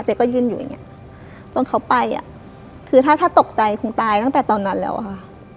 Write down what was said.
ยืนอยู่อย่างเงี้ยจนเขาไปอ่ะคือถ้าถ้าตกใจคงตายตั้งแต่ตอนนั้นแล้วอะค่ะ